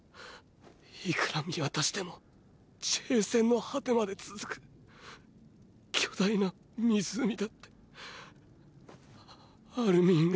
いくら見渡しても地平線の果てまで続く巨大な湖だってアルミンが。